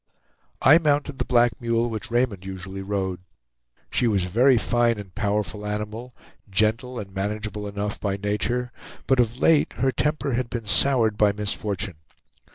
I mounted the black mule which Raymond usually rode. She was a very fine and powerful animal, gentle and manageable enough by nature; but of late her temper had been soured by misfortune.